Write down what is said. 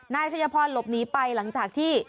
นายชัยพรหลบหนีไปหลังจากที่